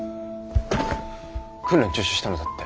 訓練中止したのだって